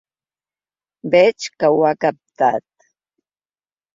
Veig que ho ha captat.